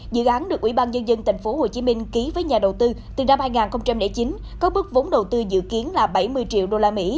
dự án được ubnd tp hcm ký với nhà đầu tư từ năm hai nghìn chín có bước vốn đầu tư dự kiến là bảy mươi triệu usd